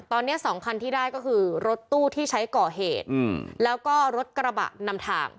ตอนนี้สองคันที่ได้ก็คือรถตู้ที่ใช้ก่อเหตุแล้วก็รถกระบะนำทาง